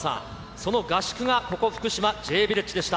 その合宿がここ福島、Ｊヴィレッジでした。